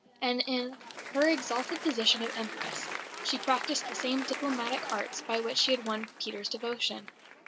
And in her exalted position of Empress she practised the same diplomatic arts by which she had won Peter's devotion.